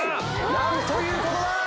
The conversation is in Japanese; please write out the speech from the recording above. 何ということだ！